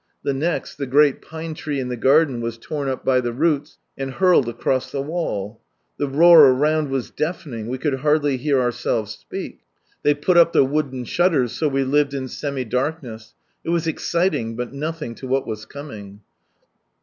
The next the great pine tree in the garden was torn up by the roots, and hurled across the wall. The roar around was deafening ; we could hardly hear ourselves speak. They put up the wooden shutters, so we lived in semi darkness. It was exciting, but nothing to what was coming.